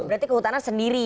berarti kehutanan sendiri